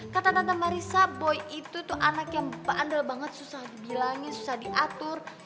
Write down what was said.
kata tante marissa boy itu anak yang andel banget susah dibilangin susah diatur